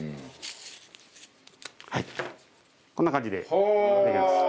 はいこんな感じでできました。